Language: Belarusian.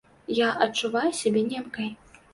Яна адчувае сябе немкай.